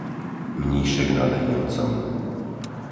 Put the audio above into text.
Mníšek nad Hnilcom